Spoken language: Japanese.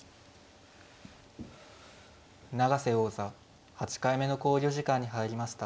永瀬王座８回目の考慮時間に入りました。